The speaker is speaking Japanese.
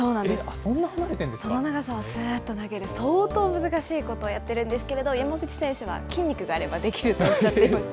その長さをすーっと投げる、相当難しいことをやっているんですけど、山口選手は筋肉があればできるとおっしゃっていました。